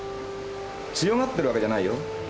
強がってるわけじゃないよ。